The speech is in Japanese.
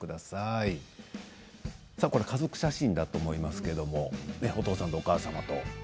さあこれ家族写真だと思いますけどもお父様とお母様と。